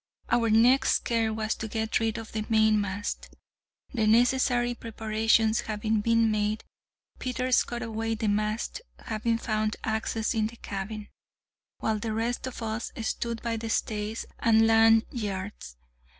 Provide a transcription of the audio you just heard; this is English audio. Our next care was to get rid of the mainmast. The necessary preparations having been made, Peters cut away at the mast (having found axes in the cabin), while the rest of us stood by the stays and lanyards.